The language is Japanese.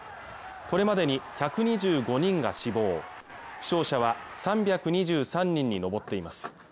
これまでに１２５人が死亡負傷者は３２３人に上っています